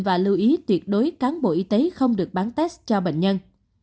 và lưu ý tuyệt đối cán bộ y tế không được bán test cho bệnh nhân